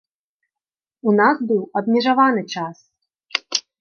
У нас быў абмежаваны час.